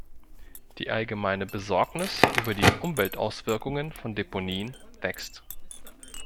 Die allgemeine Besorgnis über die Umweltauswirkungen von Deponien wächst.